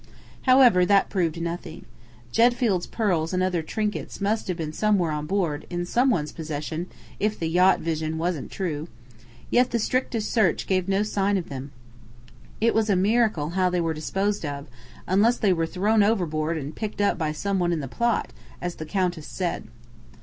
"However, that proved nothing. Jedfield's pearls and other trinkets must have been somewhere on board, in someone's possession, if the yacht vision wasn't true. Yet the strictest search gave no sign of them. It was a miracle how they were disposed of, unless they were thrown overboard and picked up by someone in the plot, as the Countess said."